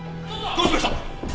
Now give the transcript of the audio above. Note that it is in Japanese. どうしました！？